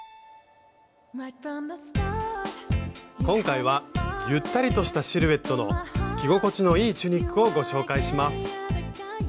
今回はゆったりとしたシルエットの着心地のいいチュニックをご紹介します。